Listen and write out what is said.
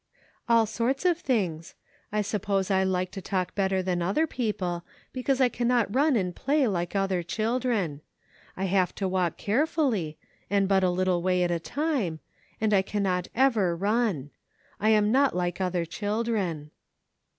"All sorts of things. I suppose I like to talk better than other people, because I cannot run and play like other children, I have to walk carefully, and but a little way at a time, and I cannot ever run. I am not like other children."